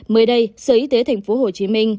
mới đây sở y tế tp hcm